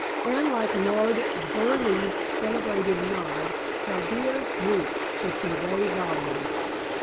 And, like Lord Burleigh's celebrated nod, Chaldea's wink could convey volumes.